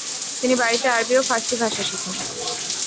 তিনি বাড়িতে আরবি ও ফারসি ভাষা শেখেন।